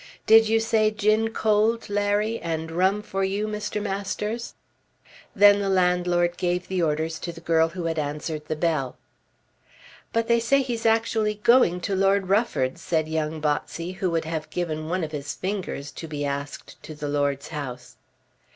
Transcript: Did you say gin cold, Larry; and rum for you, Mr. Masters?" Then the landlord gave the orders to the girl who had answered the bell. "But they say he's actually going to Lord Rufford's," said young Botsey who would have given one of his fingers to be asked to the lord's house.